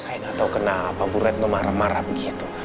saya gak tau kenapa bu retno marah marah begitu